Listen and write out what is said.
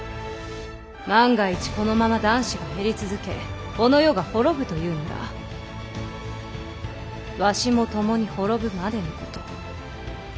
万が一このまま男子が減り続けこの世が滅ぶというならわしも共に滅ぶまでのこと。